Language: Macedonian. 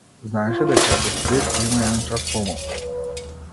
Знаеше дека ако спие, ќе има еден час помалку.